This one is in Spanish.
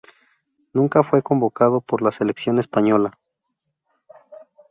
Nunca fue convocado por la selección española.